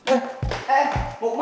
eh eh mau kemana lo